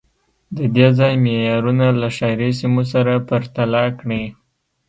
د دې ځای معیارونه له ښاري سیمو سره پرتله کړئ